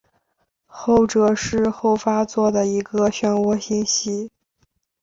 后者是后发座的一个旋涡星系。